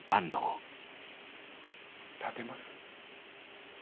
立てます？